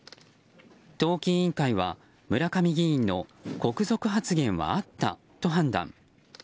党紀委員会は村上議員の国賊発言はあったと判断。